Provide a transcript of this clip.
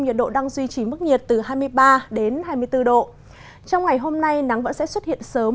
nhiệt độ đang duy trì mức nhiệt từ hai mươi ba đến hai mươi bốn độ trong ngày hôm nay nắng vẫn sẽ xuất hiện sớm